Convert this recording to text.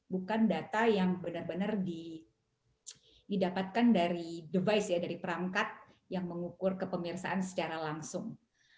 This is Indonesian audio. bukan data yang benar benar didapatkan dari device ya dari perangkat yang mengukur kepemirsaan secara langsung